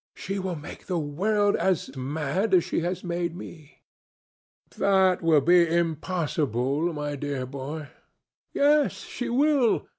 She will make the world as mad as she has made me." "That would be impossible, my dear boy." "Yes, she will.